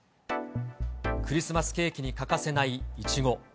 クリスマスケーキに欠かせないいちご。